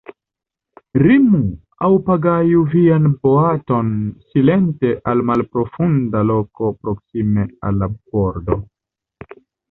Remu aŭ pagaju vian boaton silente al malprofunda loko proksime al la bordo.